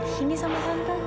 sini sama tante